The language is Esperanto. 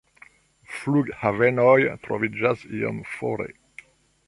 Flughavenoj troviĝas iom fore.